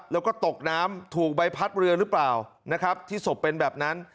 แล้วก็ตกน้ำถูกใบพัดเรือหรือเปล่านะครับที่ศพเป็นแบบนั้น